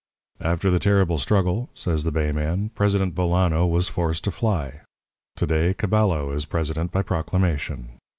"'After the terrible struggle,' says the bay man, 'President Bolano was forced to fly. To day Caballo is President by proclamation.